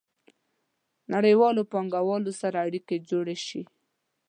نړیوالو پانګوالو سره اړیکې جوړې شي.